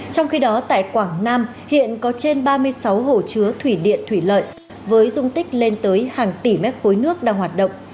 trong khi đó tại quảng nam hiện có trên ba mươi sáu hồ chứa thủy điện thủy lợi với dung tích lên tới hàng tỷ m ba nước đang hoạt động